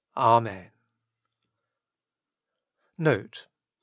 Amen. NOTE.